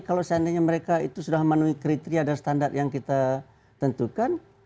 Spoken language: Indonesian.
kalau seandainya mereka itu sudah memenuhi kriteria dan standar yang kita tentukan